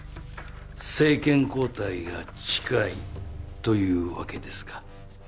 政権交代が近いというわけですか。